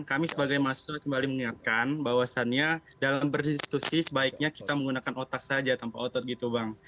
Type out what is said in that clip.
kami sebagai mahasiswa kembali mengingatkan bahwasannya dalam berdiskusi sebaiknya kita menggunakan otak saja tanpa otot gitu bang